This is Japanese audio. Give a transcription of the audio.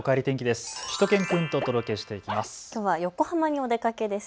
しゅと犬くんとお届けしていきます。